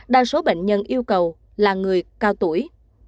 đa số bệnh nhân yêu cầu là người cao tuổi